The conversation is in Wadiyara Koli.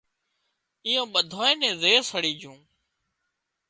ايئان ٻڌانئين نين زهر سڙي جھون